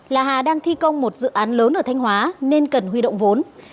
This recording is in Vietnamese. là hà đang thi công một dự án lớn ở thanh hóa nên cần huy động vốn